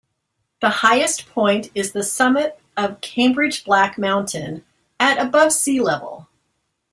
The highest point is the summit of Cambridge Black Mountain, at above sea level.